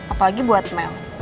apalagi buat mel